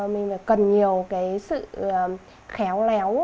mình phải cần nhiều cái sự khéo léo